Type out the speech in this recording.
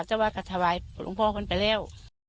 เจ้าวาดกัชวายปรุงพ่อคนไปเร็ว